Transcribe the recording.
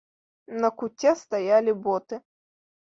На куце стаялі боты.